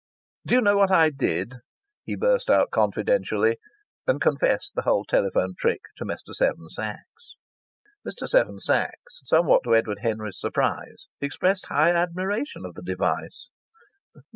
"Do you know what I did?" he burst out confidentially, and confessed the whole telephone trick to Mr. Seven Sachs. Mr. Seven Sachs, somewhat to Edward Henry's surprise, expressed high admiration of the device.